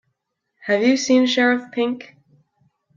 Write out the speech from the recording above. Have you seen Sheriff Pink?